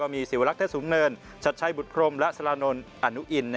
มีสิวรักษ์เทศสูงเนินชัดใช่บุฒรมและสรานนท์อนุอิน